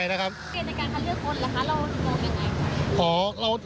ในการหาเลือกคนเหรอคะเราจะมองอย่างไร